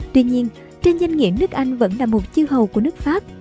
tuy nhiên trên danh nghĩa nước anh vẫn là một chư hầu của nước pháp